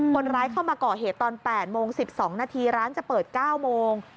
คนร้ายเข้ามาก่อเหตุตอน๘โมง๑๒นาทีร้านจะเปิด๙โมง